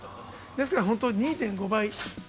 ですから本当、２．５倍。